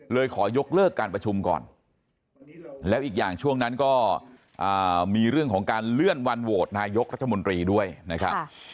ขอยกเลิกการประชุมก่อนแล้วอีกอย่างช่วงนั้นก็มีเรื่องของการเลื่อนวันโหวตนายกรัฐมนตรีด้วยนะครับ